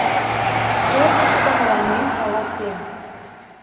Корнышто мыланем каласен: